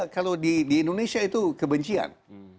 kalau di indonesia itu kebencian